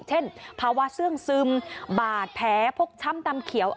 เช่นภาวะเสื่องซึมบาดแผลพกช้ำดำเขียว